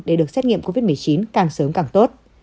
để được xét nghiệm covid một mươi chín càng sớm càng tốt